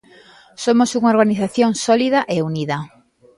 Somos unha organización sólida e unida.